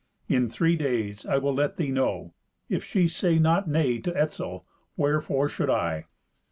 In three days I will let thee know. If she say not nay to Etzel, wherefore should I?"